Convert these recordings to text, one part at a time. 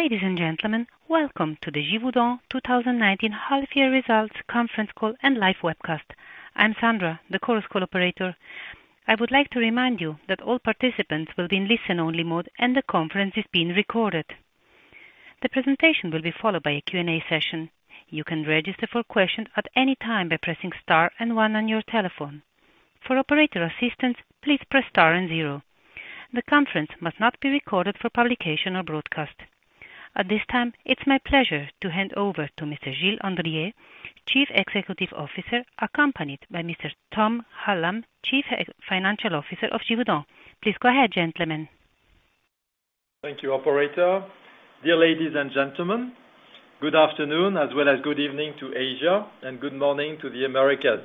Ladies and gentlemen, welcome to the Givaudan 2019 Half-Year Results Conference Call And Live Webcast. I'm Sandra, the conference call operator. I would like to remind you that all participants will be in listen-only mode, and the conference is being recorded. The presentation will be followed by a Q&A session. You can register for questions at any time by pressing star and one on your telephone. For operator assistance, please press star and zero. The conference must not be recorded for publication or broadcast. At this time, it's my pleasure to hand over to Mr. Gilles Andrier, Chief Executive Officer, accompanied by Mr. Tom Hallam, Chief Financial Officer of Givaudan. Please go ahead, gentlemen. Thank you, operator. Dear ladies and gentlemen, good afternoon, as well as good evening to Asia and good morning to the Americas.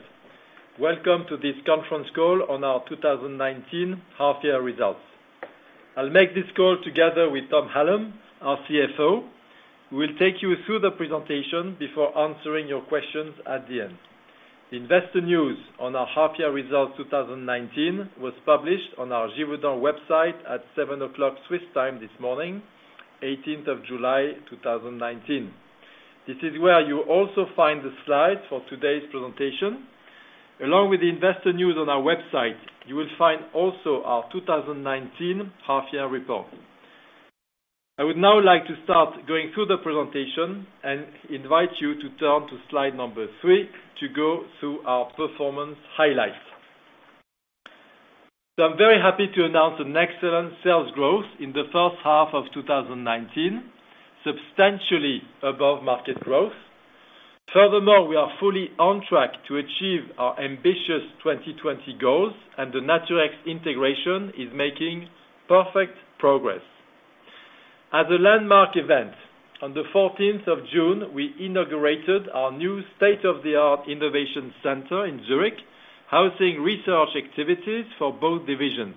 Welcome to this Conference Call on our 2019 Half-Year Results. I'll make this call together with Tom Hallam, our CFO, who will take you through the presentation before answering your questions at the end. The investor news on our half-year results 2019 was published on our Givaudan website at seven o'clock Swiss time this morning, 18th of July 2019. This is where you also find the slides for today's presentation, along with the investor news on our website, you will find also our 2019 half-year report. I would now like to start going through the presentation and invite you to turn to slide number three to go through our performance highlights. I'm very happy to announce an excellent sales growth in the H1 of 2019, substantially above market growth. Furthermore, we are fully on track to achieve our ambitious 2020 goals, and the Naturex integration is making perfect progress. As a landmark event, on the 14th of June, we inaugurated our new state-of-the-art innovation center in Zurich, housing research activities for both divisions.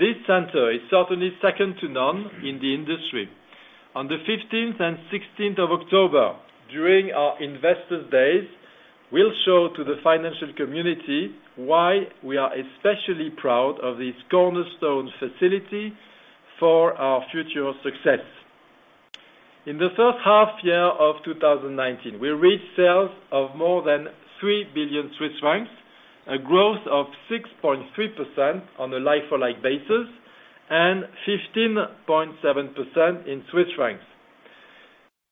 This center is certainly second to none in the industry. On the 15th and 16th of October, during our investor days, we'll show to the financial community why we are especially proud of this cornerstone facility for our future success. In the first half-year of 2019, we reached sales of more than 3 billion Swiss francs, a growth of 6.3% on a like-for-like basis and 15.7% in CHF.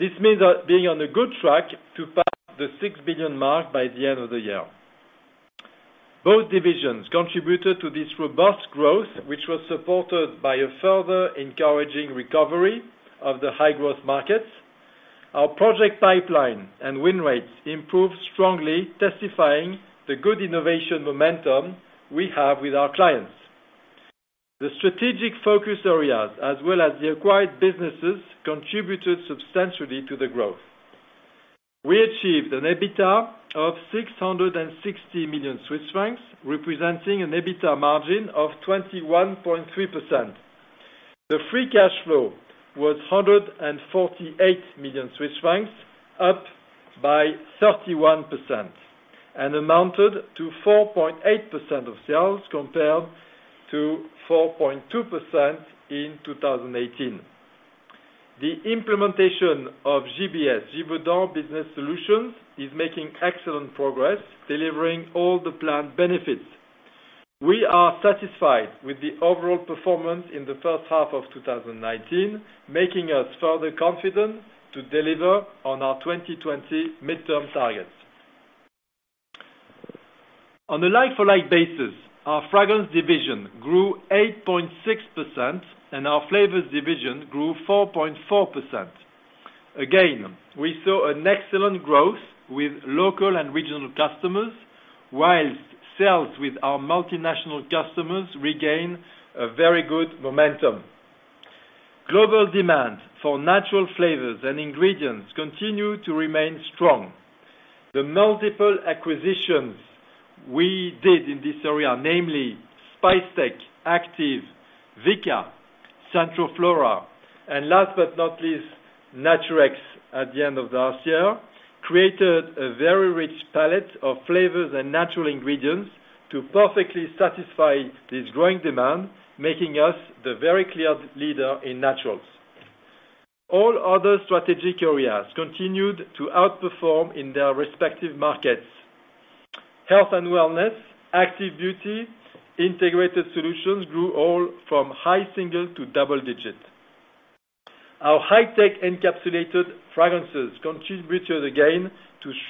This means being on a good track to pass the 6 billion mark by the end of the year. Both divisions contributed to this robust growth, which was supported by a further encouraging recovery of the high-growth markets. Our project pipeline and win rates improved strongly, testifying the good innovation momentum we have with our clients. The strategic focus areas, as well as the acquired businesses, contributed substantially to the growth. We achieved an EBITDA of 660 million Swiss francs, representing an EBITDA margin of 21.3%. The free cash flow was 148 million Swiss francs, up by 31%, and amounted to 4.8% of sales compared to 4.2% in 2018. The implementation of GBS, Givaudan Business Solutions, is making excellent progress delivering all the planned benefits. We are satisfied with the overall performance in the H1 of 2019, making us further confident to deliver on our 2020 mid-term targets. On a like-for-like basis, our fragrance division grew 8.6%, and our flavors division grew 4.4%. Again, we saw an excellent growth with local and regional customers, whilst sales with our multinational customers regained a very good momentum. Global demand for natural flavors and ingredients continues to remain strong. The multiple acquisitions we did in this area, namely Spicetec, Activ, Vika, Centroflora, and last but not least, Naturex at the end of last year, created a very rich palette of flavors and natural ingredients to perfectly satisfy this growing demand, making us the very clear leader in naturals. All other strategic areas continued to outperform in their respective markets. Health and wellness, Active Beauty, integrated solutions grew all from high single to double digits. Our high-tech encapsulated fragrances contributed again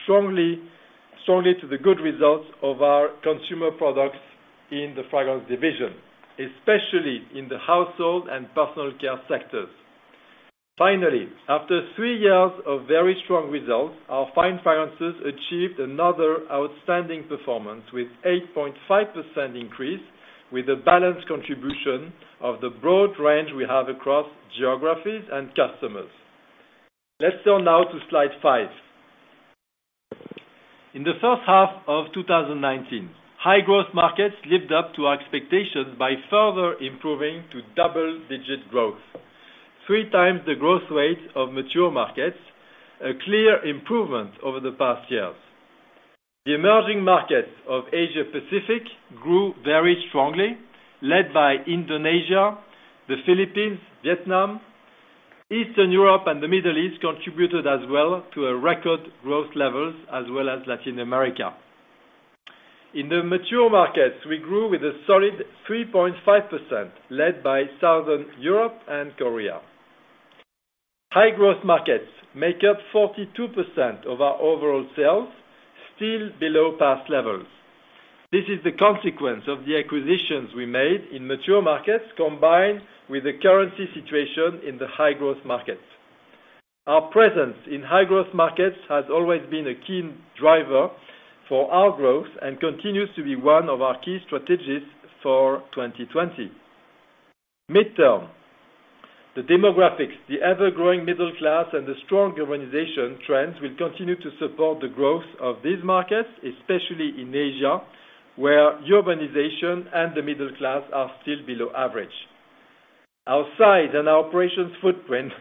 strongly to the good results of our Consumer Products in the fragrance division, especially in the household and personal care sectors. Finally, after three years of very strong results, our Fine Fragrances achieved another outstanding performance with 8.5% increase with a balanced contribution of the broad range we have across geographies and customers. Let's turn now to slide five. In the H1 of 2019, high-growth markets lived up to our expectations by further improving to double-digit growth, three times the growth rate of mature markets, a clear improvement over the past years. The emerging markets of Asia-Pacific grew very strongly, led by Indonesia, the Philippines, Vietnam. Eastern Europe and the Middle East contributed as well to record growth levels, as well as Latin America. In the mature markets, we grew with a solid 3.5%, led by Southern Europe and Korea. High-growth markets make up 42% of our overall sales, still below past levels. This is the consequence of the acquisitions we made in mature markets, combined with the currency situation in the high-growth markets. Our presence in high-growth markets has always been a key driver for our growth and continues to be one of our key strategies for 2020. Mid-term, the demographics, the ever-growing middle class, and the strong urbanization trends will continue to support the growth of these markets, especially in Asia, where urbanization and the middle class are still below average. Our size and our operations footprint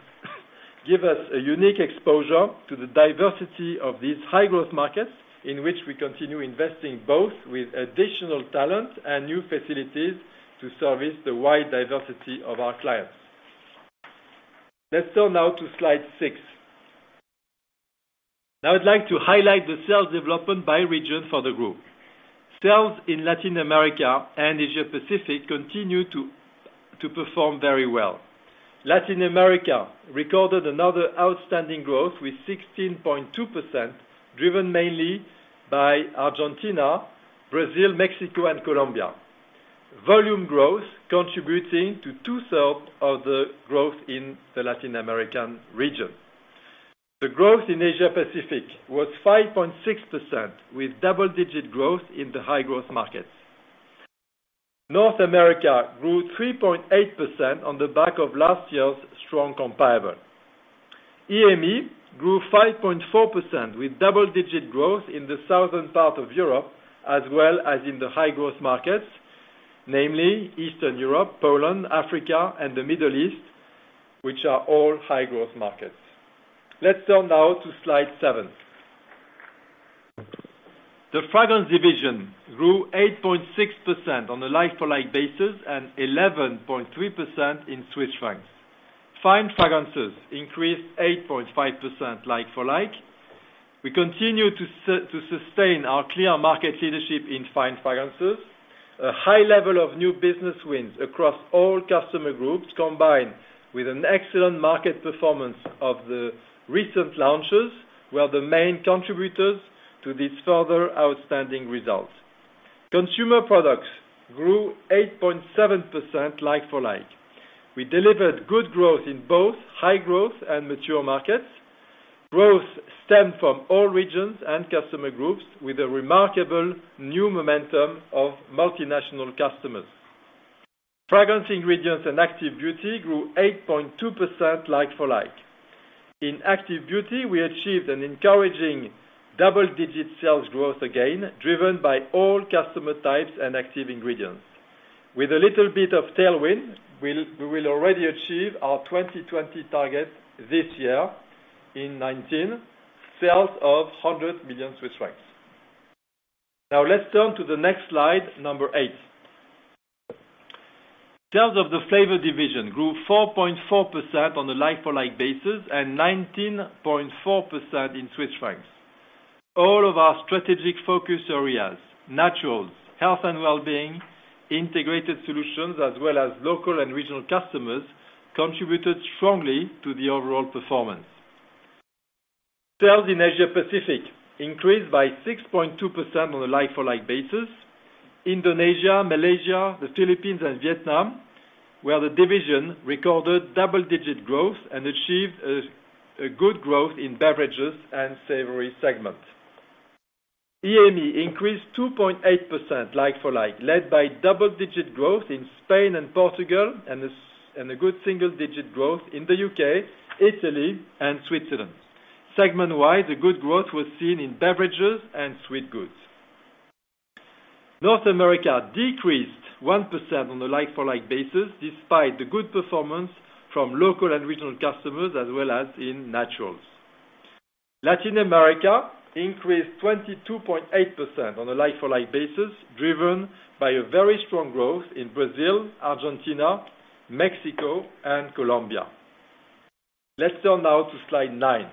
give us a unique exposure to the diversity of these high-growth markets in which we continue investing both with additional talent and new facilities to service the wide diversity of our clients. Let's turn now to slide six. I'd like to highlight the sales development by region for the group. Sales in Latin America and Asia-Pacific continue to perform very well. Latin America recorded another outstanding growth with 16.2%, driven mainly by Argentina, Brazil, Mexico, and Colombia. Volume growth contributing to two-thirds of the growth in the Latin American region. The growth in Asia-Pacific was 5.6%, with double-digit growth in the high-growth markets. North America grew 3.8% on the back of last year's strong comparable. EMEA grew 5.4% with double-digit growth in the southern part of Europe, as well as in the high-growth markets, namely Eastern Europe, Poland, Africa, and the Middle East, which are all high-growth markets. Let's turn now to slide seven. The Fragrance division grew 8.6% on a like-for-like basis and 11.3% in CHF. Fine Fragrances increased 8.5% like-for-like. We continue to sustain our clear market leadership in Fine Fragrances. A high level of new business wins across all customer groups, combined with an excellent market performance of the recent launches, were the main contributors to these further outstanding results. Consumer Products grew 8.7% like-for-like. We delivered good growth in both high-growth and mature markets. Growth stemmed from all regions and customer groups with a remarkable new momentum of multinational customers. Fragrance Ingredients and Active Beauty grew 8.2% like-for-like. In Active Beauty, we achieved an encouraging double-digit sales growth again, driven by all customer types and active ingredients. With a little bit of tailwind, we will already achieve our 2020 target this year in 2019, sales of 100 million Swiss francs. Let's turn to the next slide, number eight. Sales of the Flavor division grew 4.4% on a like-for-like basis and 19.4% in CHF. All of our strategic focus areas, naturals, health and wellbeing, integrated solutions, as well as local and regional customers, contributed strongly to the overall performance. Sales in Asia-Pacific increased by 6.2% on a like-for-like basis. Indonesia, Malaysia, the Philippines, and Vietnam, where the division recorded double-digit growth and achieved a good growth in beverages and savory segment. EMEA increased 2.8% like-for-like, led by double-digit growth in Spain and Portugal and a good single-digit growth in the U.K., Italy, and Switzerland. Segment-wide, the good growth was seen in beverages and sweet goods. North America decreased 1% on a like-for-like basis, despite the good performance from local and regional customers, as well as in naturals. Latin America increased 22.8% on a like-for-like basis, driven by a very strong growth in Brazil, Argentina, Mexico, and Colombia. Let's turn now to slide nine.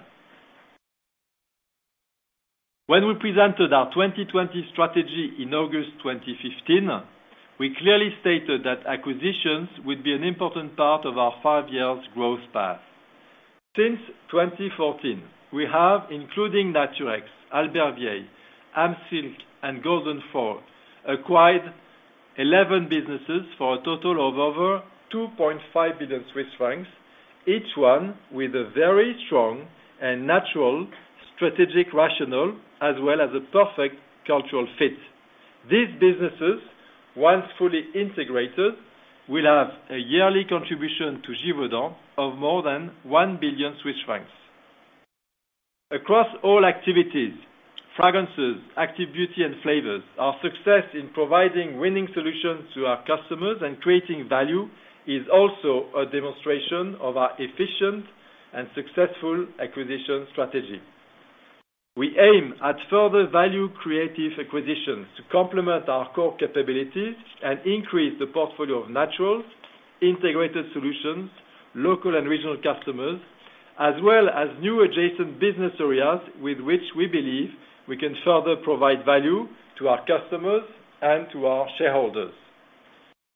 When we presented our 2020 strategy in August 2015, we clearly stated that acquisitions would be an important part of our five-year growth path. Since 2014, we have, including Naturex, Albert Vieille, AMSilk, and Golden Frog, acquired 11 businesses for a total of over 2.5 billion Swiss francs, each one with a very strong and natural strategic rationale as well as a perfect cultural fit. These businesses, once fully integrated, will have a yearly contribution to Givaudan of more than 1 billion Swiss francs. Across all activities, Fragrances, Active Beauty, and Flavors, our success in providing winning solutions to our customers and creating value is also a demonstration of our efficient and successful acquisition strategy. We aim at further value-creative acquisitions to complement our core capabilities and increase the portfolio of natural integrated solutions, local and regional customers, as well as new adjacent business areas with which we believe we can further provide value to our customers and to our shareholders.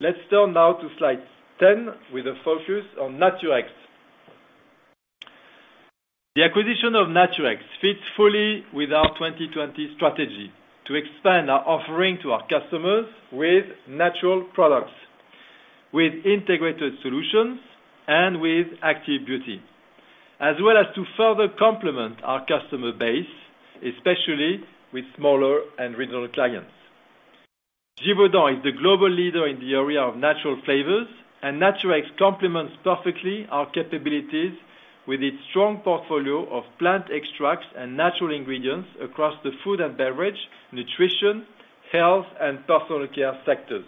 Let's turn now to slide 10 with a focus on Naturex. The acquisition of Naturex fits fully with our 2020 strategy to expand our offering to our customers with natural products, with integrated solutions, and with Active Beauty, as well as to further complement our customer base, especially with smaller and regional clients. Givaudan is the global leader in the area of natural flavors, and Naturex complements perfectly our capabilities with its strong portfolio of plant extracts and natural ingredients across the food and beverage, nutrition, health, and personal care sectors.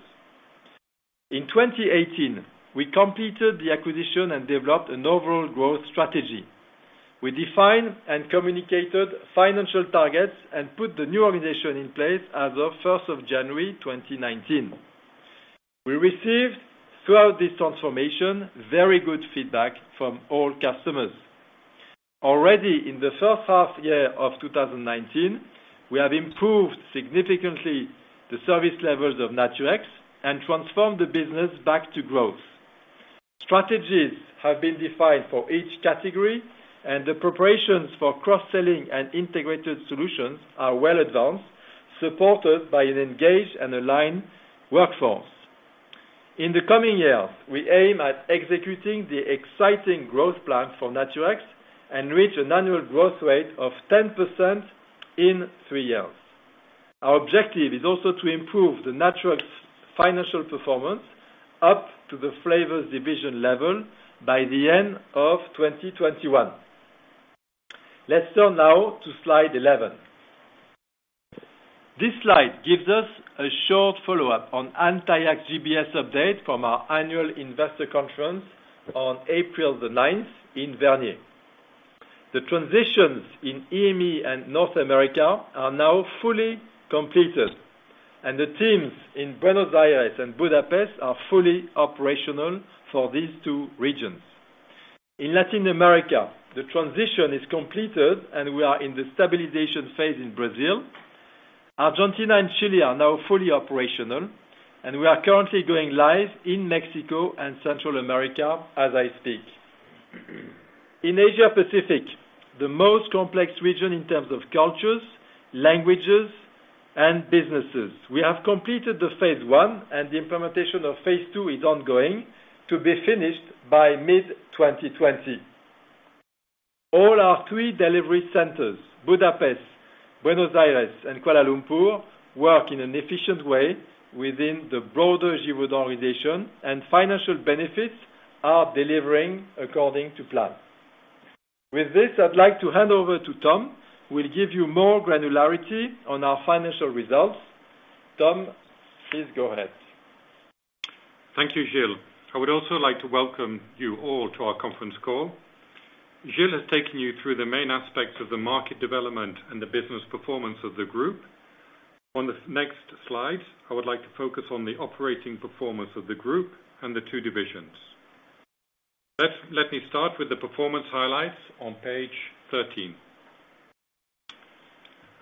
In 2018, we completed the acquisition and developed an overall growth strategy. We defined and communicated financial targets and put the new organization in place as of 1st of January 2019. We received, throughout this transformation, very good feedback from all customers. Already in the H1 year of 2019, we have improved significantly the service levels of Naturex and transformed the business back to growth. Strategies have been defined for each category, the preparations for cross-selling and integrated solutions are well advanced, supported by an engaged and aligned workforce. In the coming years, we aim at executing the exciting growth plans for Naturex and reach an annual growth rate of 10% in three years. Our objective is also to improve the Naturex financial performance up to the flavors division level by the end of 2021. Let's turn now to slide 11. This slide gives us a short follow-up on an intact GBS update from our annual investor conference on April the 9th in Vernier. The transitions in EMEA and North America are now fully completed, the teams in Buenos Aires and Budapest are fully operational for these two regions. In Latin America, the transition is completed, and we are in the stabilization phase in Brazil. Argentina and Chile are now fully operational, and we are currently going live in Mexico and Central America as I speak. In Asia Pacific, the most complex region in terms of cultures, languages, and businesses, we have completed the phase I, and the implementation of phase II is ongoing, to be finished by mid-2020. All our three delivery centers, Budapest, Buenos Aires, and Kuala Lumpur, work in an efficient way within the broader Givaudan organization, and financial benefits are delivering according to plan. With this, I'd like to hand over to Tom, who will give you more granularity on our financial results. Tom, please go ahead. Thank you, Gilles. I would also like to welcome you all to our conference call. Gilles has taken you through the main aspects of the market development and the business performance of the group. On the next slides, I would like to focus on the operating performance of the group and the two divisions. Let me start with the performance highlights on page 13.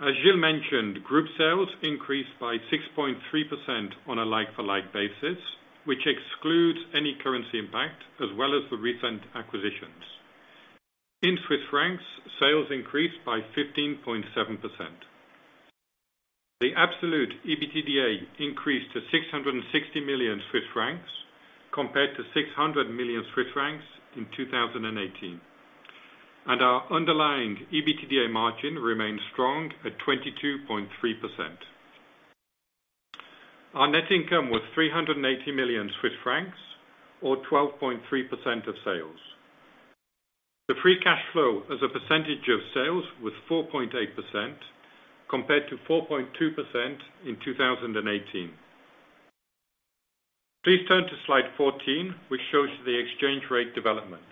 As Gilles mentioned, group sales increased by 6.3% on a like-for-like basis, which excludes any currency impact as well as the recent acquisitions. In Swiss francs, sales increased by 15.7%. The absolute EBITDA increased to 660 million Swiss francs compared to 600 million Swiss francs in 2018. Our underlying EBITDA margin remains strong at 22.3%. Our net income was 380 million Swiss francs or 12.3% of sales. The free cash flow as a percentage of sales was 4.8%, compared to 4.2% in 2018. Please turn to slide 14, which shows the exchange rate development.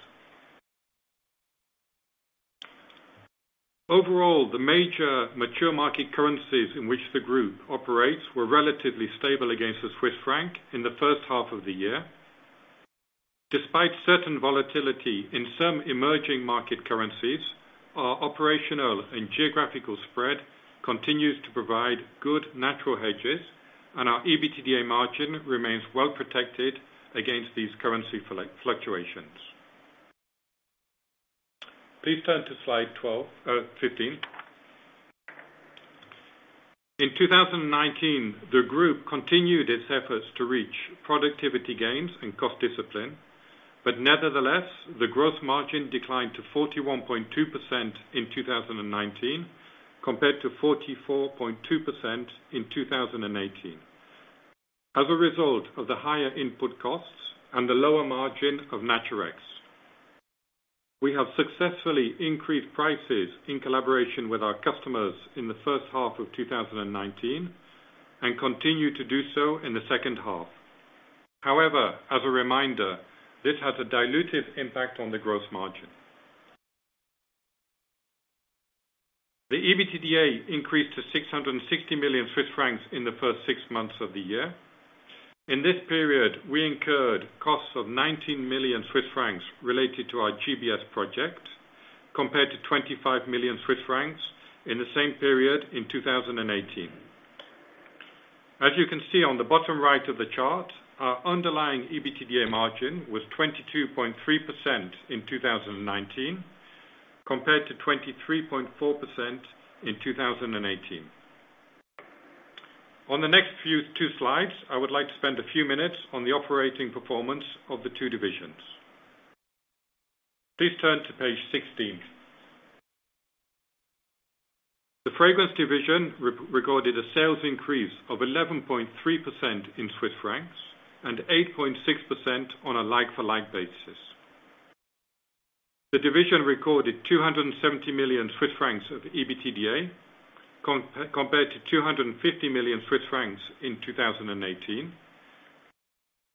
Overall, the major mature market currencies in which the group operates were relatively stable against the Swiss franc in the first half of the year. Despite certain volatility in some emerging market currencies, our operational and geographical spread continues to provide good natural hedges, and our EBITDA margin remains well protected against these currency fluctuations. Please turn to slide 15. In 2019, the group continued its efforts to reach productivity gains and cost discipline. Nevertheless, the gross margin declined to 41.2% in 2019 compared to 44.2% in 2018 as a result of the higher input costs and the lower margin of Naturex. We have successfully increased prices in collaboration with our customers in the H1 of 2019 and continue to do so in the second half. As a reminder, this has a diluted impact on the gross margin. The EBITDA increased to 660 million Swiss francs in the first six months of the year. In this period, we incurred costs of 19 million Swiss francs related to our GBS project, compared to 25 million Swiss francs in the same period in 2018. As you can see on the bottom right of the chart, our underlying EBITDA margin was 22.3% in 2019, compared to 23.4% in 2018. On the next two slides, I would like to spend a few minutes on the operating performance of the two divisions. Please turn to page 16. The fragrance division recorded a sales increase of 11.3% in CHF and 8.6% on a like-for-like basis. The division recorded 270 million Swiss francs of EBITDA, compared to 250 million Swiss francs in 2018.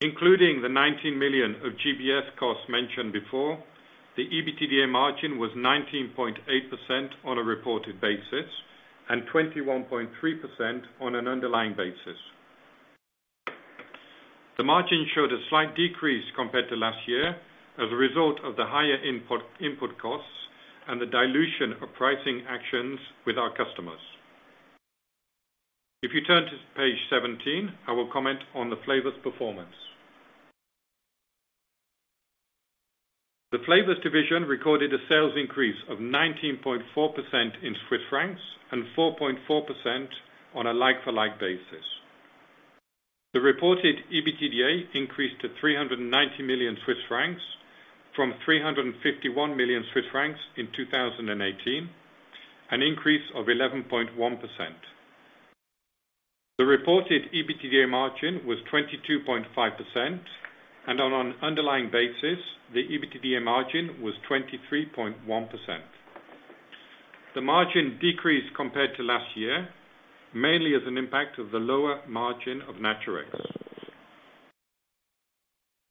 Including the 19 million of GBS costs mentioned before, the EBITDA margin was 19.8% on a reported basis and 21.3% on an underlying basis. The margin showed a slight decrease compared to last year as a result of the higher input costs and the dilution of pricing actions with our customers. If you turn to page 17, I will comment on the Flavors performance. The Flavors division recorded a sales increase of 19.4% in CHF and 4.4% on a like-for-like basis. The reported EBITDA increased to 390 million Swiss francs from 351 million Swiss francs in 2018, an increase of 11.1%. The reported EBITDA margin was 22.5%, and on an underlying basis, the EBITDA margin was 23.1%. The margin decreased compared to last year, mainly as an impact of the lower margin of Naturex.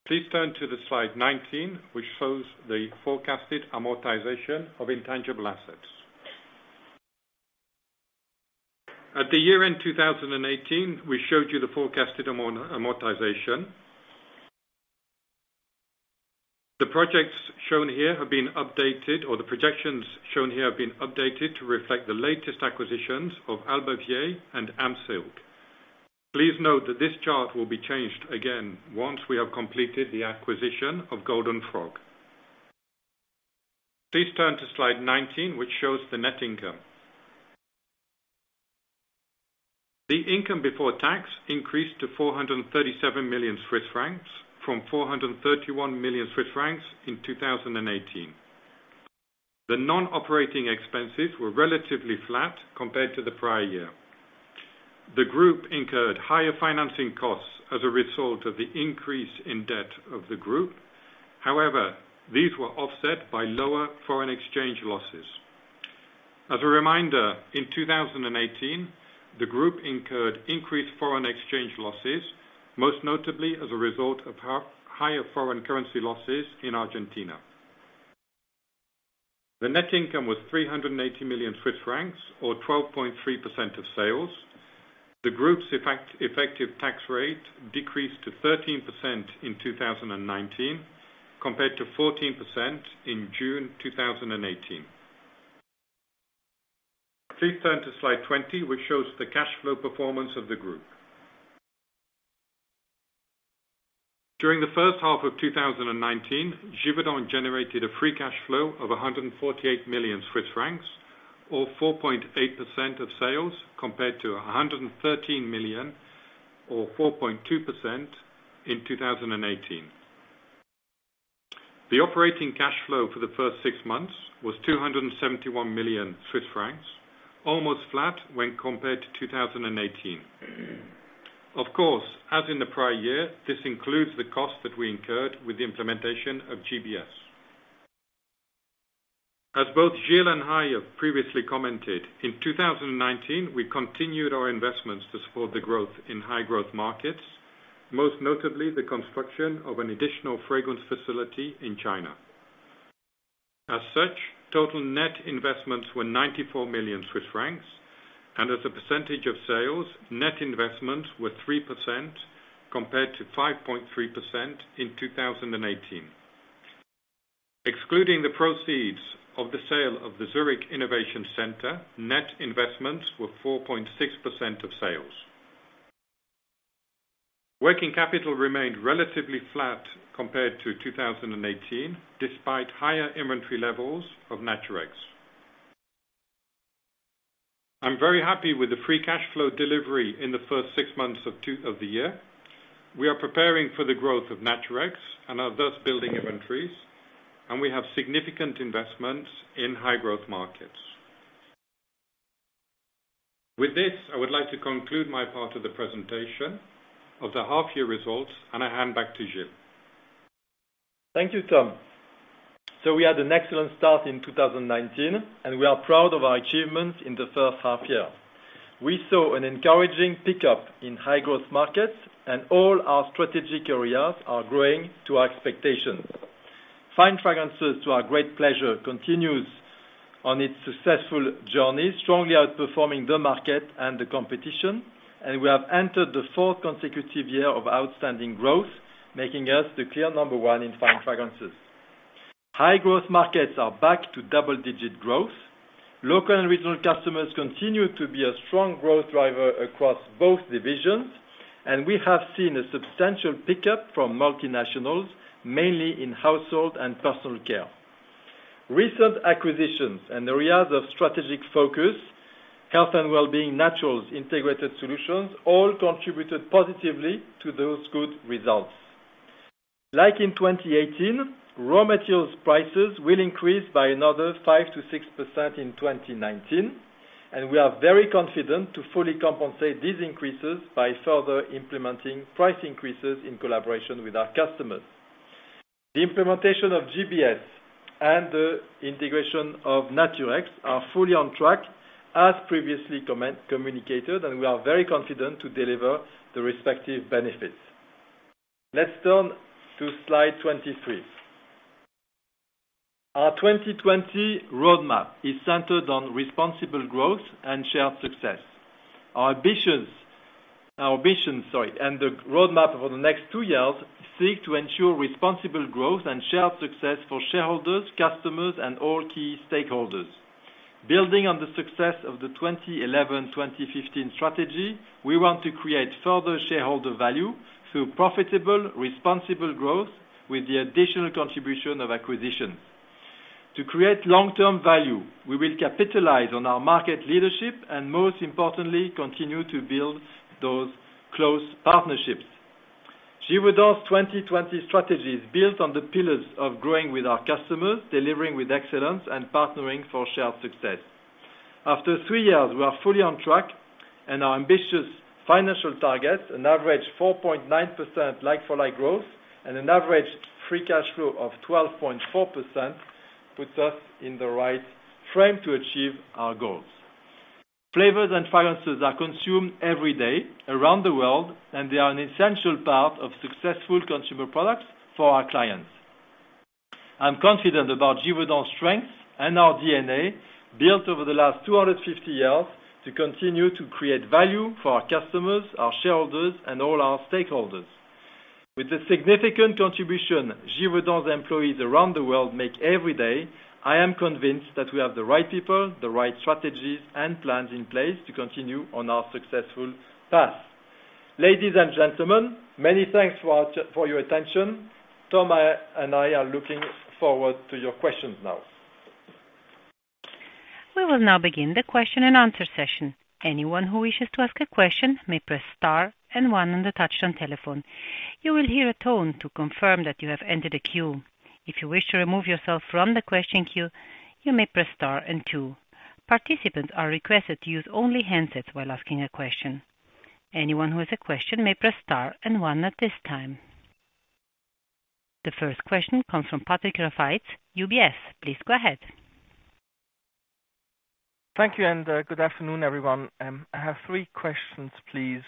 Please turn to slide 19, which shows the forecasted amortization of intangible assets. At the year end 2018, we showed you the forecasted amortization. The projections shown here have been updated, or the projections shown here have been updated to reflect the latest acquisitions of Albert Vieille and AMSilk. Please note that this chart will be changed again once we have completed the acquisition of Golden Frog. Please turn to slide 19, which shows the net income. The income before tax increased to 437 million Swiss francs from 431 million Swiss francs in 2018. The non-operating expenses were relatively flat compared to the prior year. The group incurred higher financing costs as a result of the increase in debt of the group. These were offset by lower foreign exchange losses. As a reminder, in 2018, the group incurred increased foreign exchange losses, most notably as a result of higher foreign currency losses in Argentina. The net income was 380 million Swiss francs or 12.3% of sales. The group's effective tax rate decreased to 13% in 2019, compared to 14% in June 2018. Please turn to slide 20, which shows the cash flow performance of the group. During the first half of 2019, Givaudan generated a free cash flow of 148 million Swiss francs, or 4.8% of sales, compared to 113 million or 4.2% in 2018. The operating cash flow for the first six months was 271 million Swiss francs, almost flat when compared to 2018. Of course, as in the prior year, this includes the cost that we incurred with the implementation of GBS. As both Gilles and I have previously commented, in 2019, we continued our investments to support the growth in high-growth markets, most notably the construction of an additional fragrance facility in China. As such, total net investments were 94 million Swiss francs, as a percentage of sales, net investments were 3% compared to 5.3% in 2018. Excluding the proceeds of the sale of the Zurich Innovation Center, net investments were 4.6% of sales. Working capital remained relatively flat compared to 2018, despite higher inventory levels of Naturex. I'm very happy with the free cash flow delivery in the first six months of the year. We are preparing for the growth of Naturex and are thus building inventories, we have significant investments in high-growth markets. With this, I would like to conclude my part of the presentation of the half-year results, I hand back to Gilles. Thank you, Tom. We had an excellent start in 2019, we are proud of our achievements in the first half-year. We saw an encouraging pickup in high-growth markets, all our strategic areas are growing to our expectations. Fine Fragrances, to our great pleasure, continues on its successful journey, strongly outperforming the market and the competition. We have entered the fourth consecutive year of outstanding growth, making us the clear number one in Fine Fragrances. High-growth markets are back to double-digit growth. Local and regional customers continue to be a strong growth driver across both divisions, we have seen a substantial pickup from multinationals, mainly in household and personal care. Recent acquisitions and areas of strategic focus, health and wellbeing, naturals, integrated solutions, all contributed positively to those good results. Like in 2018, raw materials prices will increase by another 5%-6% in 2019. We are very confident to fully compensate these increases by further implementing price increases in collaboration with our customers. The implementation of GBS and the integration of Naturex are fully on track as previously communicated. We are very confident to deliver the respective benefits. Let's turn to slide 23. Our 2020 roadmap is centered on responsible growth and shared success. Our ambitions, and the roadmap over the next two years seek to ensure responsible growth and shared success for shareholders, customers, and all key stakeholders. Building on the success of the 2011/2015 strategy, we want to create further shareholder value through profitable, responsible growth, with the additional contribution of acquisitions. To create long-term value, we will capitalize on our market leadership. Most importantly, continue to build those close partnerships. Givaudan's 2020 strategy is built on the pillars of growing with our customers, delivering with excellence, and partnering for shared success. After three years, we are fully on track. Our ambitious financial targets, an average 4.9% like-for-like growth, and an average free cash flow of 12.4%, puts us in the right frame to achieve our goals. Flavors and fragrances are consumed every day around the world. They are an essential part of successful consumer products for our clients. I'm confident about Givaudan's strengths and our DNA, built over the last 250 years, to continue to create value for our customers, our shareholders, and all our stakeholders. With the significant contribution Givaudan's employees around the world make every day, I am convinced that we have the right people, the right strategies, and plans in place to continue on our successful path. Ladies and gentlemen, many thanks for your attention. Tom and I are looking forward to your questions now. We will now begin the question and answer session. Anyone who wishes to ask a question may press star and one on the touch-tone telephone. You will hear a tone to confirm that you have entered a queue. If you wish to remove yourself from the question queue, you may press star and two. Participants are requested to use only handsets while asking a question. Anyone who has a question may press star and one at this time. The first question comes from Patrick Rafaisz, UBS. Please go ahead. Thank you, good afternoon, everyone. I have three questions, please.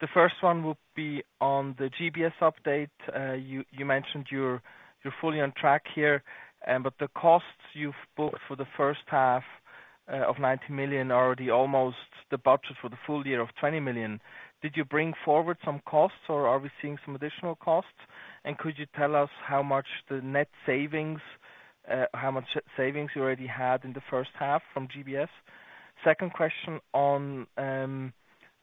The first one would be on the GBS update. You mentioned you are fully on track here, but the costs you have booked for the first half of 19 million are already almost the budget for the full year of 20 million. Did you bring forward some costs, or are we seeing some additional costs? Could you tell us how much savings you already had in the first half from GBS? Second question on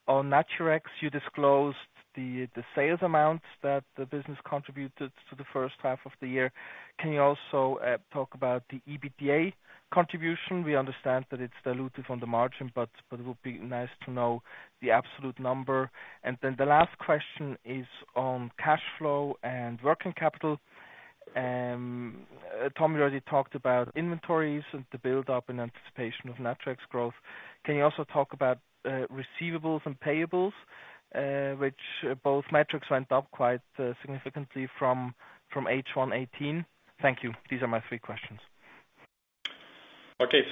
Naturex. You disclosed the sales amounts that the business contributed to the first half of the year. Can you also talk about the EBITDA contribution? We understand that it is dilutive on the margin, but it would be nice to know the absolute number. The last question is on cash flow and working capital. Tom already talked about inventories and the buildup in anticipation of Naturex's growth. Can you also talk about receivables and payables? Both metrics went up quite significantly from H1 2018. Thank you. These are my three questions. Thanks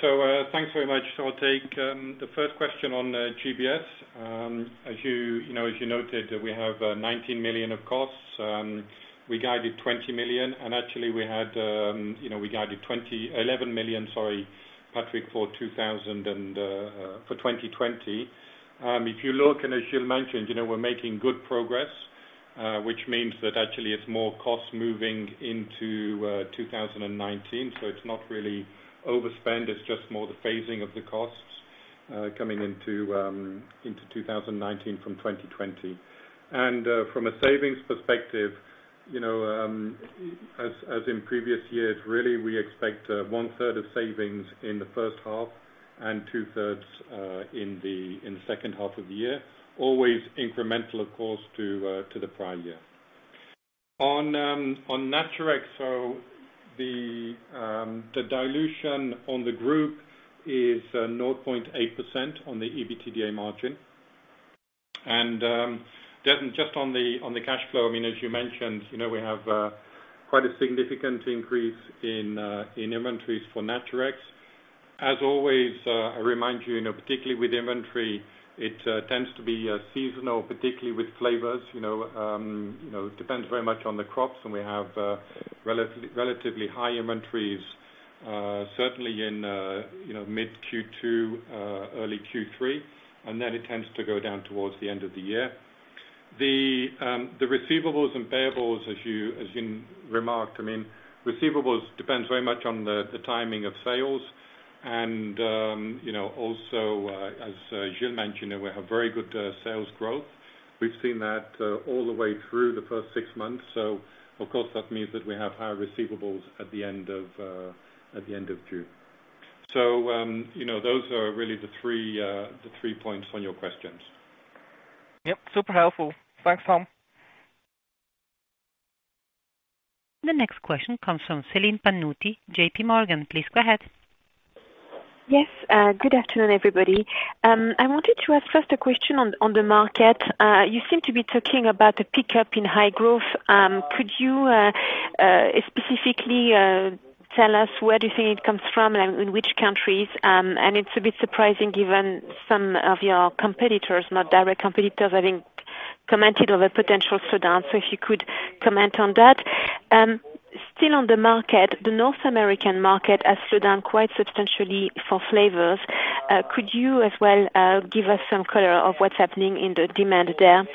very much. I will take the first question on GBS. As you noted, we have 19 million of costs. We guided 20 million, actually, we guided 11 million, Patrick, for 2020. If you look, as Gilles mentioned, we are making good progress, which means that actually it is more cost moving into 2019, so it is not really overspend, it is just more the phasing of the costs coming into 2019 from 2020. From a savings perspective, as in previous years, really, we expect one-third of savings in the first half, 2/3 in the H2 of the year. Always incremental, of course, to the prior year. On Naturex, the dilution on the group is 0.8% on the EBITDA margin. Just on the cash flow, as you mentioned, we have quite a significant increase in inventories for Naturex. As always, I remind you, particularly with inventory, it tends to be seasonal, particularly with flavors. It depends very much on the crops, we have relatively high inventories certainly in mid Q2, early Q3, then it tends to go down towards the end of the year. The receivables and payables, as you remarked, receivables depends very much on the timing of sales, also, as Gilles mentioned, we have very good sales growth. We have seen that all the way through the first six months, of course, that means that we have higher receivables at the end of June. Those are really the three points on your questions. Yep. Super helpful. Thanks, Tom. The next question comes from Celine Pannuti, JPMorgan. Please go ahead. Yes. Good afternoon, everybody. I wanted to ask first a question on the market. You seem to be talking about a pickup in high growth. Could you specifically tell us where do you think it comes from and in which countries? It's a bit surprising given some of your competitors, not direct competitors, I think, commented on a potential slowdown. If you could comment on that. Still on the market, the North American market has slowed down quite substantially for flavors. Could you as well give us some color of what's happening in the demand there?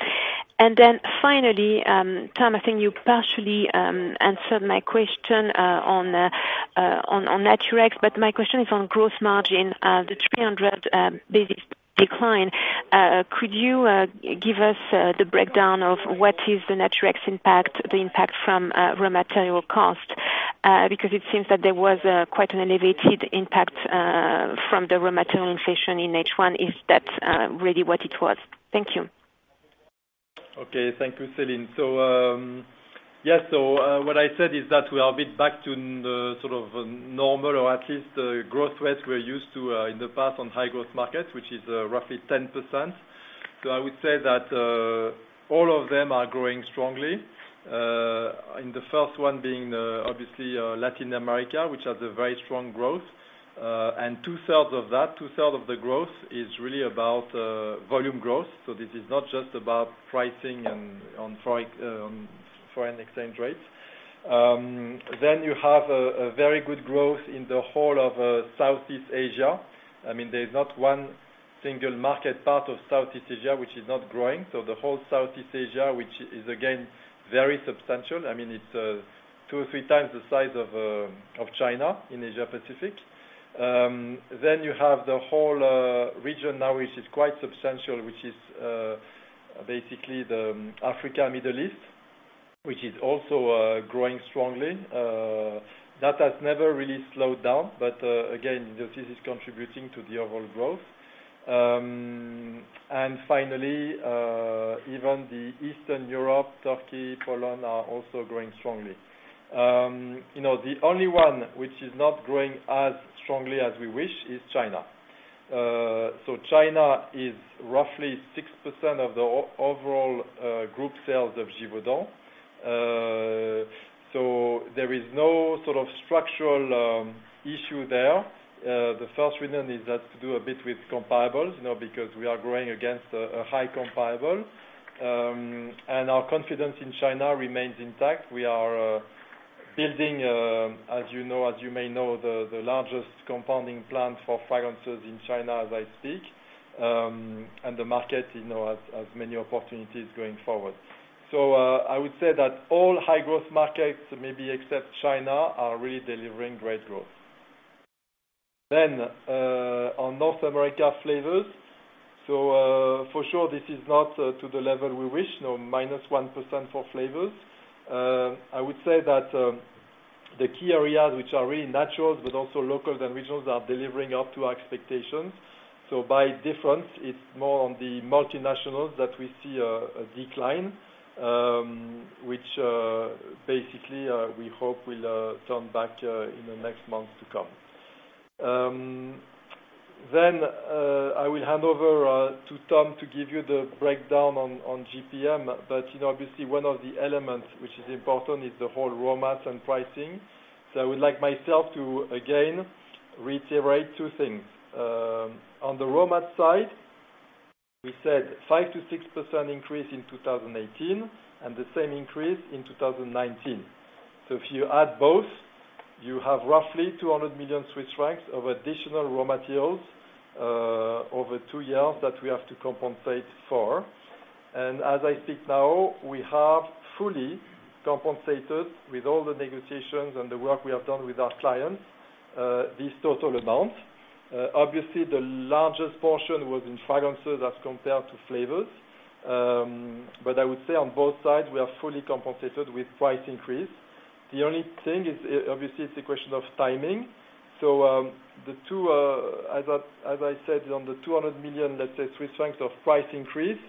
Finally, Tom, I think you partially answered my question on Naturex, but my question is on growth margin, the 300 basis decline. Could you give us the breakdown of what is the Naturex impact, the impact from raw material cost? Because it seems that there was quite an elevated impact from the raw material inflation in H1, if that's really what it was. Thank you. Okay. Thank you, Celine. What I said is that we are a bit back to the sort of normal or at least growth rates we're used to in the past on high-growth markets, which is roughly 10%. I would say that all of them are growing strongly. The first one being obviously Latin America, which has a very strong growth. Two-thirds of that, two-third of the growth, is really about volume growth. This is not just about pricing and on foreign exchange rates. You have a very good growth in the whole of Southeast Asia. There's not one single market part of Southeast Asia which is not growing. The whole Southeast Asia, which is again, very substantial. It's two or three times the size of China in Asia Pacific. You have the whole region now which is quite substantial, which is basically the Africa, Middle East, which is also growing strongly. That has never really slowed down. Again, this is contributing to the overall growth. Finally, even the Eastern Europe, Turkey, Poland are also growing strongly. The only one which is not growing as strongly as we wish is China. China is roughly 6% of the overall group sales of Givaudan. There is no sort of structural issue there. The first reason is that to do a bit with comparables, because we are growing against a high comparable. Our confidence in China remains intact. We are building, as you may know, the largest compounding plant for fragrances in China as I speak, and the market has many opportunities going forward. I would say that all high-growth markets, maybe except China, are really delivering great growth. On North America flavors, for sure this is not to the level we wish. Minus 1% for flavors. I would say that the key areas which are really naturals, but also locals and regionals are delivering up to expectations. By difference, it's more on the multinationals that we see a decline, which basically, we hope will turn back in the next months to come. I will hand over to Tom to give you the breakdown on GPM. Obviously one of the elements which is important is the whole raw mats and pricing. I would like myself to again reiterate two things. On the raw mat side, we said 5%-6% increase in 2018 and the same increase in 2019. If you add both, you have roughly 200 million Swiss francs of additional raw materials over two years that we have to compensate for. As I speak now, we have fully compensated with all the negotiations and the work we have done with our clients, this total amount. Obviously, the largest portion was in fragrances as compared to flavors. I would say on both sides, we are fully compensated with price increase. The only thing is, obviously, it's a question of timing. As I said, on the 200 million Swiss francs, let's say, of price increase,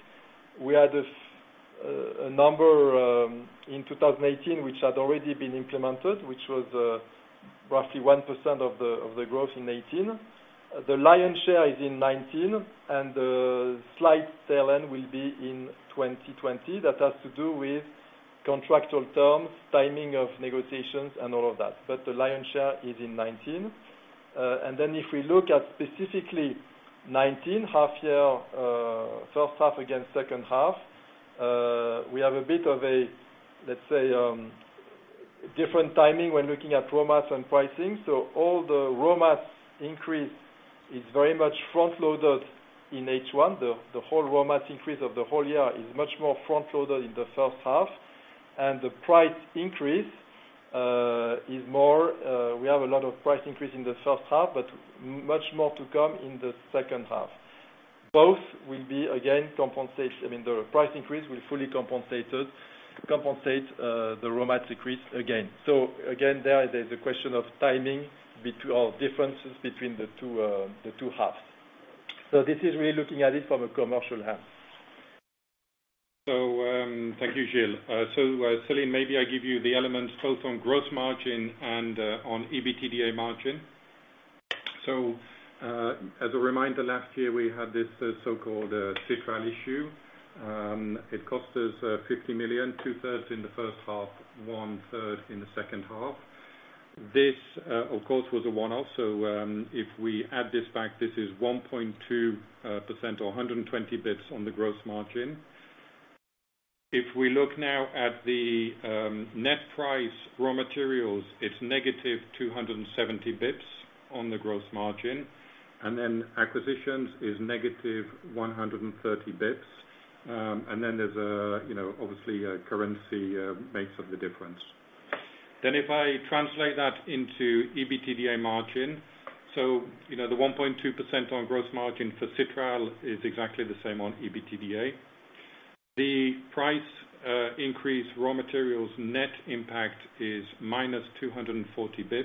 we had a number in 2018 which had already been implemented, which was roughly 1% of the growth in 2018. The lion's share is in 2019, and the slight tail end will be in 2020. That has to do with contractual terms, timing of negotiations, and all of that. The lion's share is in 2019. If we look at specifically 2019, first half against second half, we have a bit of a, let's say, different timing when looking at raw mats and pricing. All the raw mats increase is very much front-loaded in H1. The whole raw mats increase of the whole year is much more front-loaded in the first half. The price increase, we have a lot of price increase in the first half, but much more to come in the second half. Both will be, the price increase will fully compensate the raw mat decrease again. Again, there's the question of timing or differences between the two halves. This is really looking at it from a commercial hand. Thank you, Gilles. Celine, maybe I give you the elements both on gross margin and on EBITDA margin. As a reminder, last year we had this so-called Citral issue. It cost us 50 million, 2/3 in the first half, 1/3 in the second half. This, of course, was a one-off. If we add this back, this is 1.2% or 120 bps on the gross margin. If we look now at the net price raw materials, it's negative 270 bps on the gross margin, and acquisitions is negative 130 bps. There's obviously currency makes up the difference. If I translate that into EBITDA margin, the 1.2% on gross margin for Citral is exactly the same on EBITDA. The price increase raw materials net impact is minus 240 bps.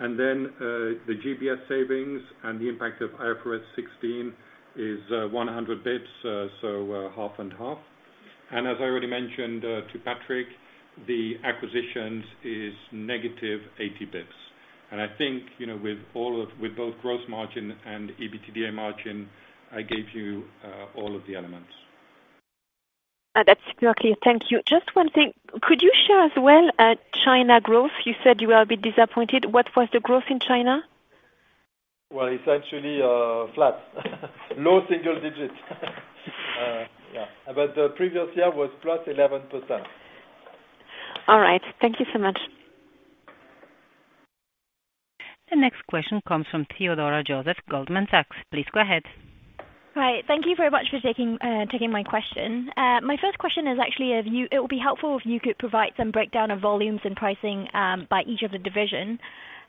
The GBS savings and the impact of IFRS 16 is 100 bps, half and half. As I already mentioned to Patrick, the acquisitions is negative 80 bps. I think, with both gross margin and EBITDA margin, I gave you all of the elements. That's super clear. Thank you. Just one thing. Could you share as well China growth? You said you are a bit disappointed. What was the growth in China? Well, it's actually flat. Low single digits. The previous year was plus 11%. All right. Thank you so much. The next question comes from Theodora Joseph, Goldman Sachs. Please go ahead. Hi. Thank you very much for taking my question. My first question is actually, it would be helpful if you could provide some breakdown of volumes and pricing by each of the division.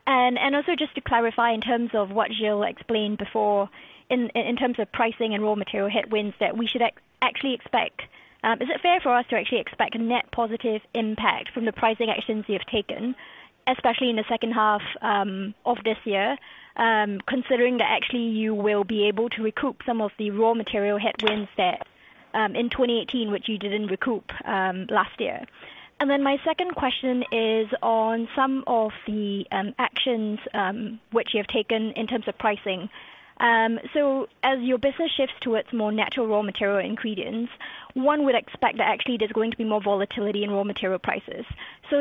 Also just to clarify in terms of what Gilles explained before in terms of pricing and raw material headwinds that we should actually expect. Is it fair for us to actually expect net positive impact from the pricing actions you have taken, especially in the H2 of this year, considering that actually you will be able to recoup some of the raw material headwinds that in 2018, which you didn't recoup last year? My second question is on some of the actions which you have taken in terms of pricing. As your business shifts towards more natural raw material ingredients, one would expect that actually there's going to be more volatility in raw material prices.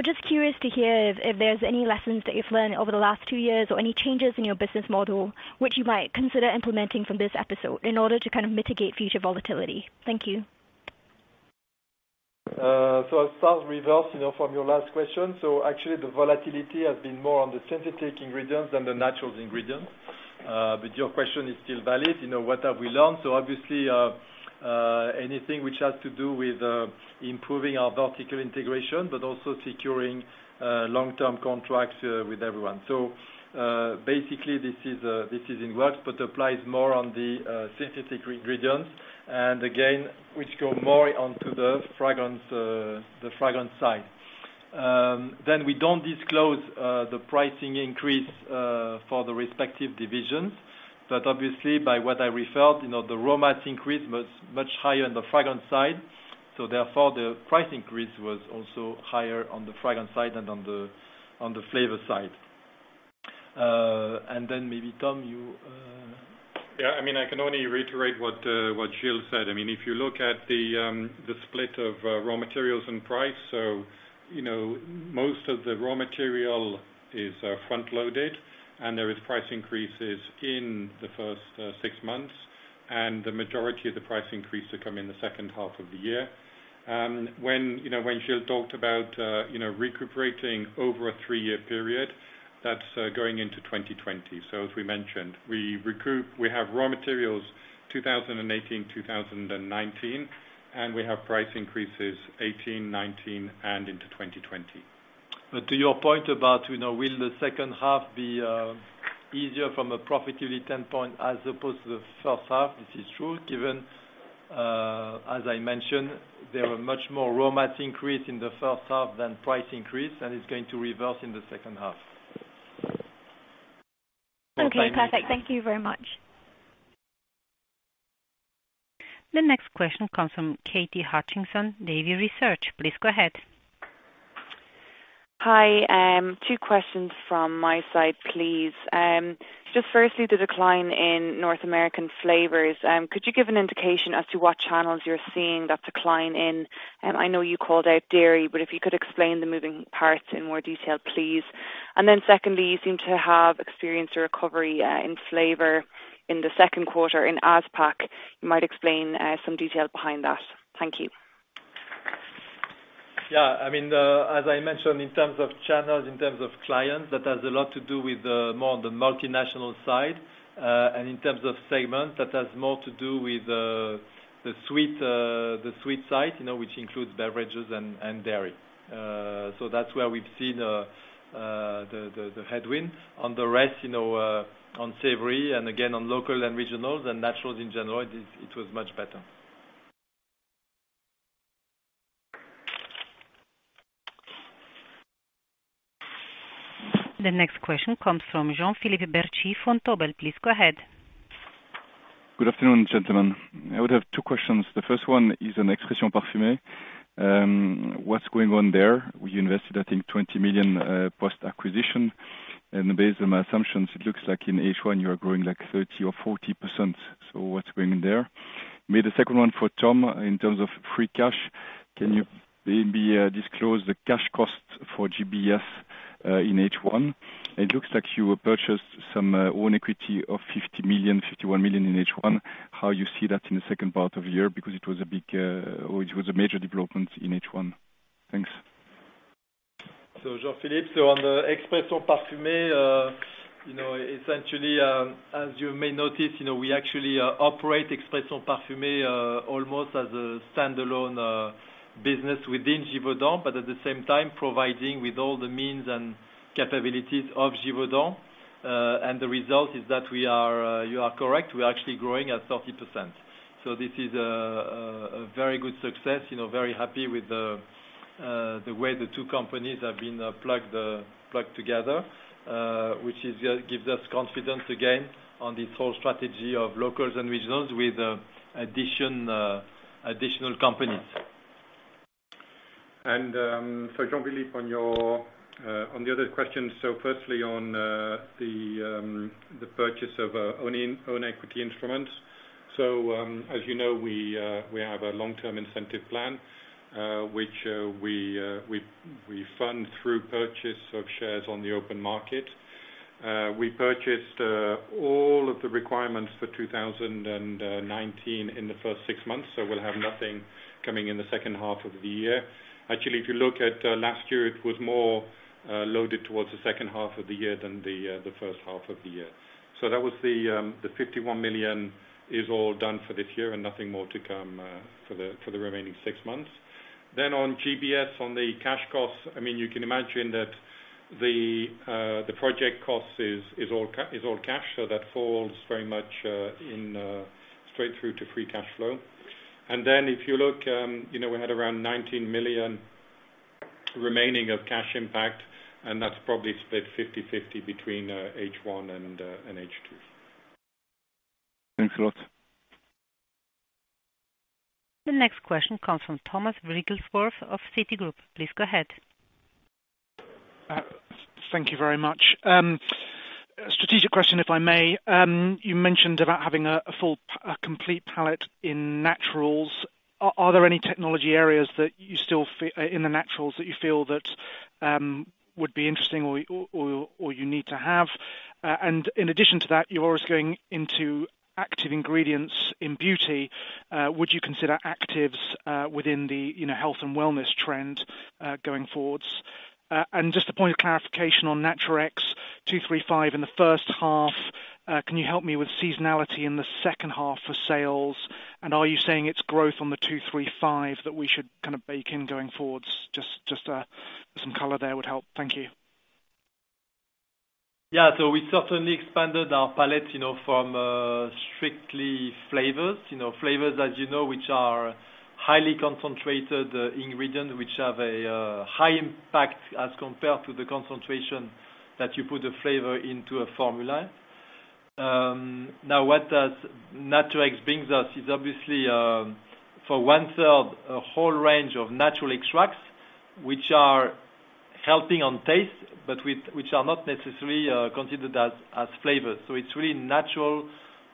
Just curious to hear if there's any lessons that you've learned over the last two years or any changes in your business model, which you might consider implementing from this episode in order to kind of mitigate future volatility. Thank you. I'll start with yours, from your last question. Actually the volatility has been more on the synthetic ingredients than the natural ingredients. Your question is still valid, what have we learned? Obviously, anything which has to do with improving our vertical integration, but also securing long-term contracts with everyone. Basically this is in works, but applies more on the synthetic ingredients. Again, which go more onto the fragrance side. We don't disclose the pricing increase for the respective divisions. Obviously by what I referred, the raw mats increase was much higher on the fragrance side, therefore the price increase was also higher on the fragrance side than on the flavor side. Maybe Tom, Yeah, I can only reiterate what Gilles said. If you look at the split of raw materials and price, most of the raw material is front-loaded and there is price increases in the first six months, and the majority of the price increase to come in the H2 of the year. When Gilles talked about recuperating over a three-year period, that's going into 2020. As we mentioned, we have raw materials 2018, 2019, and we have price increases 2018, 2019, and into 2020. To your point about will the second half be easier from a profitability standpoint as opposed to the first half, this is true given, as I mentioned, there were much more raw mats increase in the first half than price increase, and it's going to reverse in the second half. Okay, perfect. Thank you very much. The next question comes from Katy Hutchinson, Davy Research. Please go ahead. Hi. Two questions from my side, please. Just firstly, the decline in North American flavors, could you give an indication as to what channels you're seeing that decline in? I know you called out dairy, but if you could explain the moving parts in more detail, please. Secondly, you seem to have experienced a recovery in flavor in the second quarter in APAC. You might explain some detail behind that. Thank you. Yeah. As I mentioned, in terms of channels, in terms of clients, that has a lot to do with more on the multinational side. In terms of segment, that has more to do with the sweet side, which includes beverages and dairy. That's where we've seen the headwind. On the rest, on savory and again, on local and regionals and naturals in general, it was much better. The next question comes from Jean-Philippe Bertschy from Vontobel. Please go ahead. Good afternoon, gentlemen. I would have two questions. The first one is on Expressions Parfumées. What is going on there? You invested, I think, 20 million post-acquisition, and based on my assumptions, it looks like in H1 you are growing like 30% or 40%. What is going there? Maybe the second one for Tom, in terms of free cash, can you maybe disclose the cash cost for GBS in H1? It looks like you purchased some own equity of 50 million, 51 million in H1. How you see that in the second part of the year, because it was a major development in H1. Thanks. Jean-Philippe, on the Expressions Parfumées, essentially, as you may notice, we actually operate Expressions Parfumées almost as a standalone business within Givaudan, but at the same time providing with all the means and capabilities of Givaudan. The result is that you are correct, we are actually growing at 30%. This is a very good success, very happy with the way the two companies have been plugged together, which gives us confidence again on this whole strategy of locals and regionals with additional companies. Jean-Philippe on the other question, firstly on the purchase of own equity instruments. As you know, we have a long-term incentive plan, which we fund through purchase of shares on the open market. We purchased all of the requirements for 2019 in the first six months, we will have nothing coming in the H2 of the year. Actually, if you look at last year, it was more loaded towards the H2 of the year than the H1 of the year. That was the 51 million is all done for this year and nothing more to come for the remaining six months. Then on GBS, on the cash costs, you can imagine that the project cost is all cash. That falls very much straight through to free cash flow. If you look, we had around 19 million remaining of cash impact, that's probably split 50/50 between H1 and H2. Thanks a lot. The next question comes from Thomas Wrigglesworth of Citigroup. Please go ahead. Thank you very much. Strategic question, if I may. You mentioned about having a complete palette in naturals. Are there any technology areas in the naturals that you feel that would be interesting or you need to have? In addition to that, you're always going into active ingredients in beauty. Would you consider actives within the health and wellness trend going forwards? Just a point of clarification on Naturex, 235 in the first half, can you help me with seasonality in the second half for sales? Are you saying it's growth on the 235 that we should kind of bake in going forwards? Just some color there would help. Thank you. We certainly expanded our palette from strictly flavors. Flavors, as you know, which are highly concentrated ingredients, which have a high impact as compared to the concentration that you put a flavor into a formula. What Naturex brings us is obviously, for one-third, a whole range of natural extracts, which are helping on taste, but which are not necessarily considered as flavors. It is really natural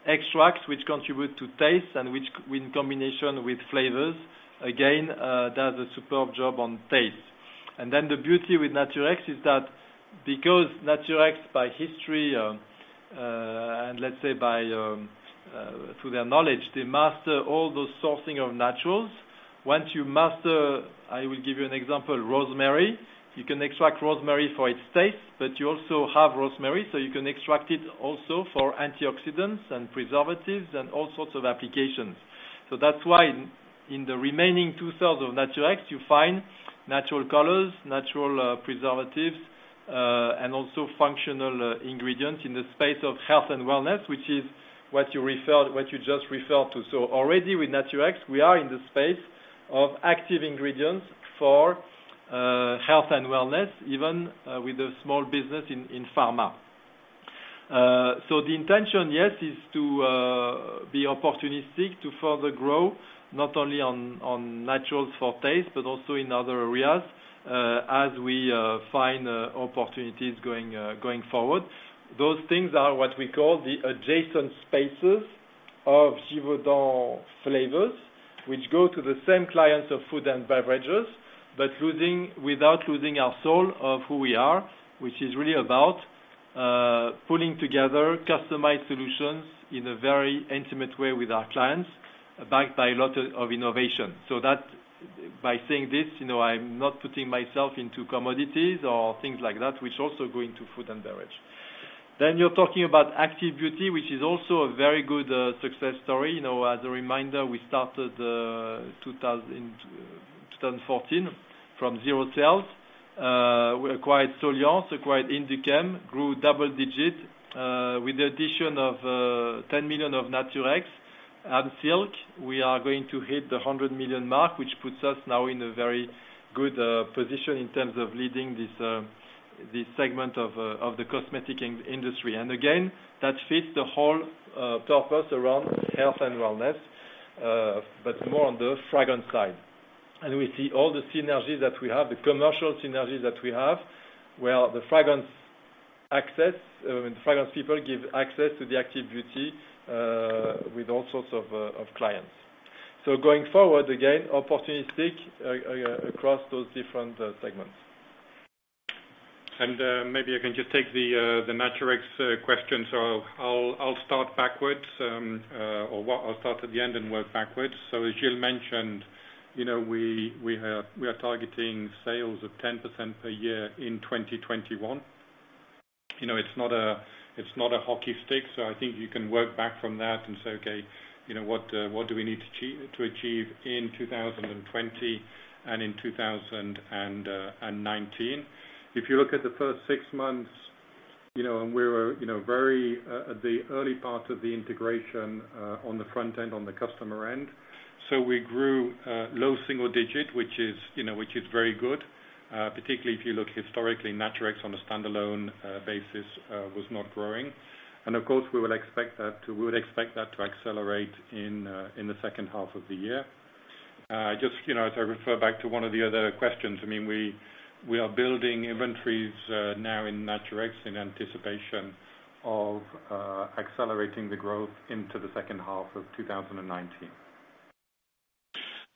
extracts, which contribute to taste and which in combination with flavors, again, does a superb job on taste. And the beauty with Naturex is that because Naturex by history, and let's say through their knowledge, they master all those sourcing of naturals. Once you master, I will give you an example, rosemary, you can extract rosemary for its taste, but you also have rosemary, you can extract it also for antioxidants and preservatives and all sorts of applications. That is why in the remaining two-thirds of Naturex, you find natural colors, natural preservatives, and also functional ingredients in the space of Health and wellness, which is what you just referred to. Already with Naturex, we are in the space of active ingredients for Health and wellness, even with a small business in pharma. The intention, yes, is to be opportunistic to further grow, not only on naturals for taste, but also in other areas as we find opportunities going forward. Those things are what we call the adjacent spaces of Givaudan Flavors, which go to the same clients of food and beverages, but without losing our soul of who we are, which is really about pulling together customized solutions in a very intimate way with our clients, backed by a lot of innovation. By saying this, I am not putting myself into commodities or things like that, which also go into food and beverage. You are talking about Active Beauty, which is also a very good success story. As a reminder, we started in 2014 from zero sales. We acquired Soliance, acquired Induchem, grew double-digit. With the addition of 10 million of Naturex and Silk, we are going to hit the 100 million mark, which puts us now in a very good position in terms of leading this segment of the cosmetic industry. And again, that fits the whole purpose around Health and wellness, but more on the fragrance side. And we see all the synergies that we have, the commercial synergies that we have, where the fragrance people give access to the Active Beauty, with all sorts of clients. Going forward, again, opportunistic across those different segments. And maybe I can just take the Naturex question. I will start backwards, or I will start at the end and work backwards. As Gilles mentioned, we are targeting sales of 10% per year in 2021. It is not a hockey stick, I think you can work back from that and say, "Okay, what do we need to achieve in 2020 and in 2019?" If you look at the first six months, the early part of the integration on the front end, on the customer end. We grew low single-digit, which is very good. Particularly if you look historically, Naturex on a standalone basis was not growing. And of course, we would expect that to accelerate in the H2 of the year. Just as I refer back to one of the other questions, we are building inventories now in Naturex in anticipation of accelerating the growth into the H2 of 2019.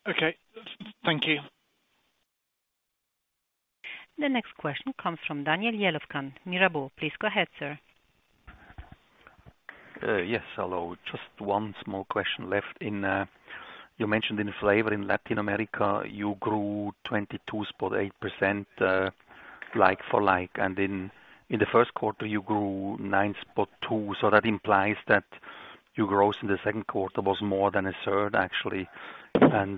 Okay. Thank you. The next question comes from Daniel Jelovcan, Mirabaud. Please go ahead, sir. Yes, hello. Just one small question left. You mentioned in flavor in Latin America, you grew 22.8% like for like, and in the Q1 you grew 9.2%. That implies that your growth in the Q2 was more than a third actually.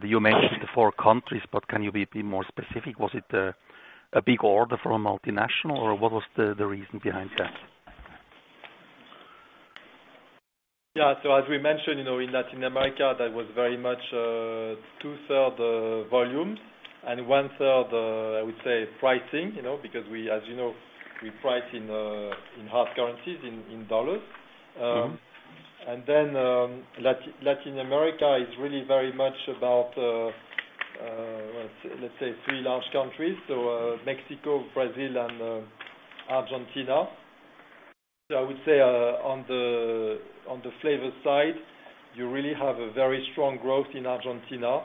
You mentioned the four countries, but can you be more specific? Was it a big order from a multinational, or what was the reason behind that? Yeah. As we mentioned, in Latin America, that was very much 2/3 volume and 1/3, I would say pricing, because as you know, we price in hard currencies, in dollars. Latin America is really very much about, let's say three large countries. Mexico, Brazil, and Argentina. I would say on the flavor side, you really have a very strong growth in Argentina.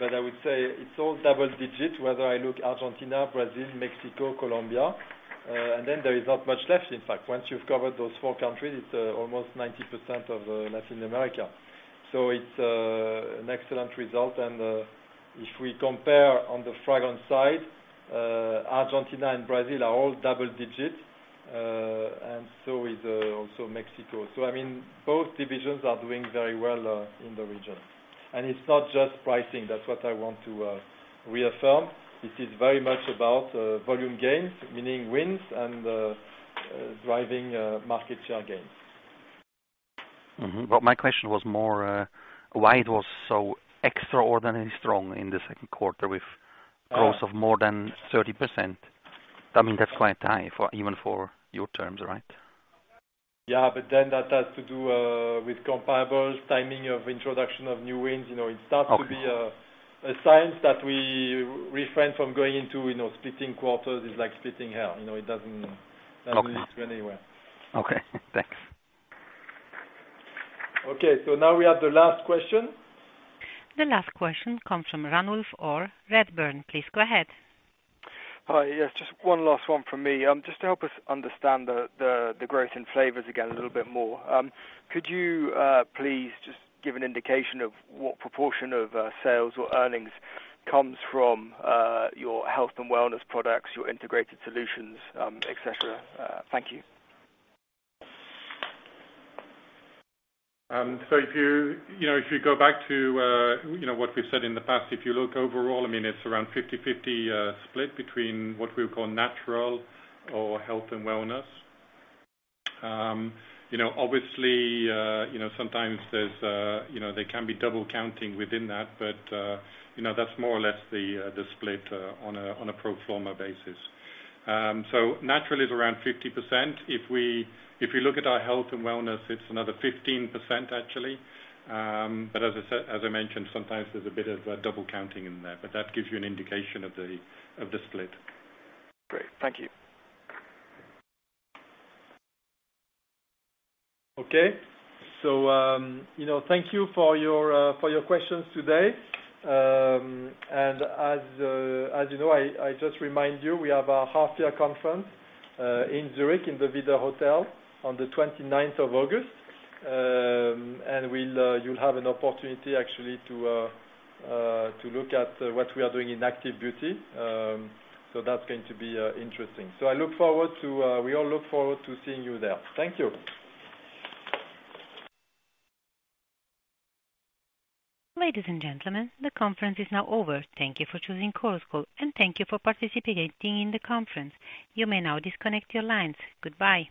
I would say it's all double digit, whether I look Argentina, Brazil, Mexico, Colombia. There is not much left, in fact. Once you've covered those four countries, it's almost 90% of Latin America. It's an excellent result, if we compare on the fragrance side, Argentina and Brazil are all double digit, and so is also Mexico. Both divisions are doing very well in the region. It's not just pricing. That's what I want to reaffirm. It is very much about volume gains, meaning wins and driving market share gains. Mm-hmm. My question was more why it was so extraordinarily strong in the Q2. Oh Growth of more than 30%. That's quite high, even for your terms, right? Yeah, that has to do with comparables, timing of introduction of new wins. Okay. It starts to be a science that we refrain from going into splitting quarters is like splitting hair. It doesn't lead you anywhere. Okay, thanks. Okay, now we have the last question. The last question comes from Ranulf Orr, Redburn. Please go ahead. Hi. Yes, just one last one from me. Just to help us understand the growth in flavors again a little bit more, could you please just give an indication of what proportion of sales or earnings comes from your health and wellness products, your integrated solutions, et cetera? Thank you. If you go back to what we've said in the past, if you look overall, it's around 50/50 split between what we would call natural or health and wellness. Obviously, sometimes there can be double counting within that, but that's more or less the split on a pro forma basis. Natural is around 50%. If we look at our health and wellness, it's another 15%, actually. As I mentioned, sometimes there's a bit of a double counting in there. That gives you an indication of the split. Great. Thank you. Thank you for your questions today. As you know, I just remind you, we have our half year conference in Zurich in the Widder Hotel on the 29th of August. You'll have an opportunity actually to look at what we are doing in Active Beauty. That's going to be interesting. We all look forward to seeing you there. Thank you. Ladies and gentlemen, the conference is now over. Thank you for choosing Chorus Call, thank you for participating in the conference. You may now disconnect your lines. Goodbye.